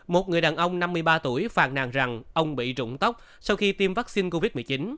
một người đàn ông năm mươi ba tuổi phàn nàn rằng ông bị trụng tóc sau khi tiêm vaccine covid một mươi chín